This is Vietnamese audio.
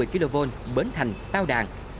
một trăm một mươi kv bến thành tao đàn